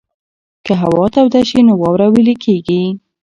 که هوا توده شي نو واوره ویلې کېږي.